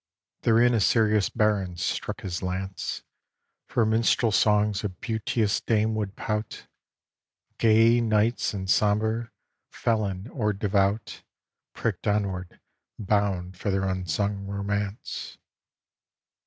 XIV Therein a serious Baron stuck his lance; For minstrel songs a beauteous Dame would pout. Gay knights and sombre, felon or devout, Pricked onward, bound for their unsung romance.